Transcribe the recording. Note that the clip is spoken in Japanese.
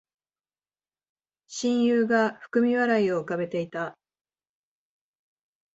親友が含み笑いを浮かべていた